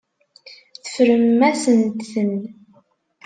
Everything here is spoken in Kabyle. Teffrem-asent-ten.